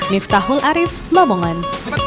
miftahul arief lamongan